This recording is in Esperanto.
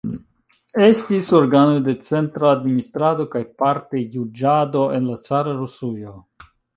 Estis organoj de centra administrado kaj parte juĝado en la cara Rusujo.